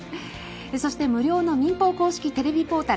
無料の民放公式テレビポータル